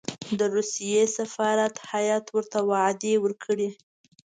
د روسیې سفارت هېئت ورته وعدې ورکړې.